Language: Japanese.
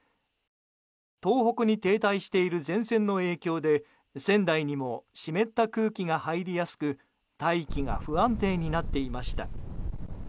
東北に停滞している前線の影響で仙台にも湿った空気が入りやすく大気が不安定になっていました。